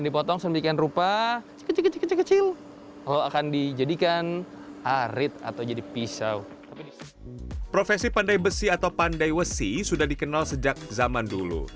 profesi pandai besi atau pandai wesi sudah dikenal sejak zaman dulu